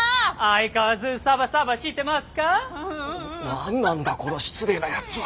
何なんだこの失礼なやつは！？